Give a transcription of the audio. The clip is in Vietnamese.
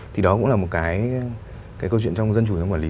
thì đó cũng là một cái câu chuyện trong dân chủ này